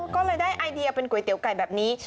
ก็เลยได้ไอเดียเป็นก๋วยเตี๋ยวไก่แบบนี้